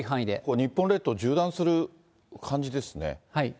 日本列島縦断する感じですね。